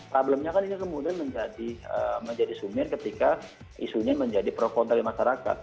problemnya kan ini kemudian menjadi sumir ketika isunya menjadi pro kontra di masyarakat